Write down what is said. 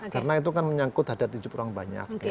karena itu kan menyangkut hadrat tijuk kurang banyak